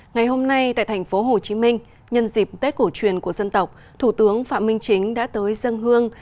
ngày hôm nay tại thành phố hồ chí minh nhân dịp tết cổ truyền của dân tộc thủ tướng phạm minh chính đã tới dân hương